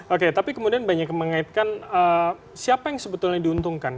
oke tapi kemudian banyak yang mengaitkan siapa yang sebetulnya diuntungkan